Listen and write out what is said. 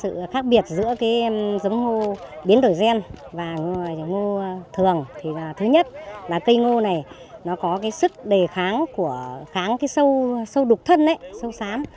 sự khác biệt giữa giống ngô biến đổi gen và ngô thường là thứ nhất là cây ngô này có sức đề kháng sâu đục thân